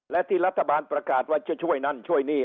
และที่รัฐบาลประกาศว่าจะช่วยนั่นช่วยนี่